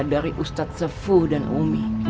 dari ustadz sefuh dan umi